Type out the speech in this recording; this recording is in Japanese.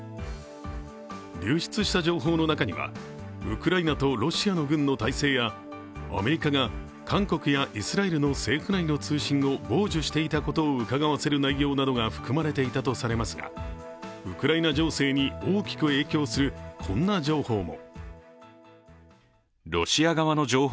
流出した情報の中にはウクライナとロシアの軍の態勢やアメリカが韓国やイスラエルの政府内の通信を傍受していたことをうかがわせる内容などが含まれていたとされますがウクライナ情勢に大きく影響する、こんな情報も。